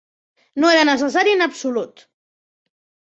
No era necessari en absolut.